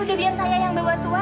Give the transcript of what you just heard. udah biar saya yang bawa tua